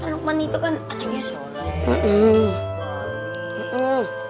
kan luqman itu kan anaknya sore